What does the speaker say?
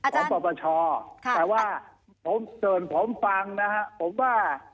ของปรบประชาแต่ว่าผมเจอผมฟังนะครับผมว่า